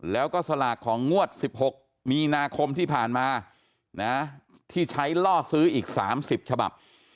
แล้วก็สลากของงวด๑๖มีนาคมที่ผ่านมาที่ใช้ล่อซื้ออีก๓๐ฉบับ